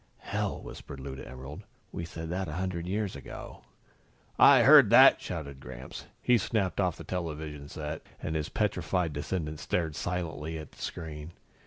"Hell!" whispered Lou to Emerald. "We said that a hundred years ago." "I heard that!" shouted Gramps. He snapped off the television set and his petrified descendants stared silently at the screen.